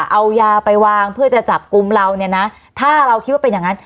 เอายาไปวางเพื่อจะจับกลุ่มเราเนี่ยนะถ้าเราคิดว่าเป็นอย่างนั้น